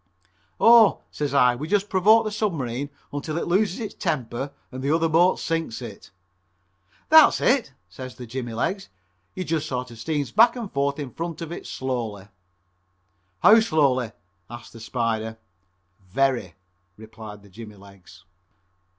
"Oh," says I, "we just provoke the submarine until it loses its temper and the other boat sinks it." "That's it," says the jimmy legs, "you just sort of steam back and forth in front of it slowly." "How slowly?" asks the Spider. "Very," replied the jimmy legs.